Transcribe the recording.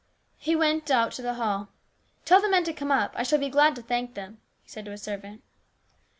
He went out to the hall. " Tell the men to come up ; I shall be glad to thank them," he said to a servant.